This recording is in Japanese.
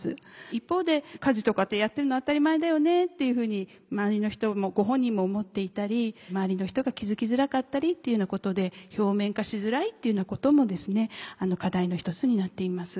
一方で家事とかってやってるの当たり前だよねっていうふうに周りの人もご本人も思っていたり周りの人が気づきづらかったりっていうようなことで表面化しづらいっていうようなことも課題の一つになっています。